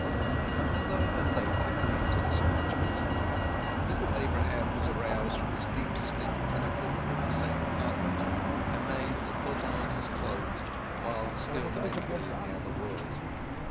Her mother at length agreed to this arrangement. Little Abraham was aroused from his deep sleep in a corner of the same apartment, and made to put on his clothes while still mentally in the other world.